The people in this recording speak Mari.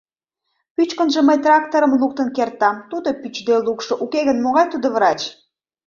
— Пӱчкынжӧ мый тракторым луктын кертам, тудо пӱчде лукшо, уке гын могай тудо врач...